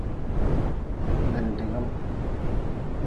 Gbindigm.